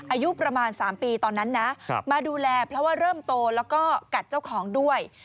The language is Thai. อายุประมาณ๓ปีตอนนั้นนะมาดูแลเพราะว่าเริ่มโตแล้วก็กัดเจ้าของด้วย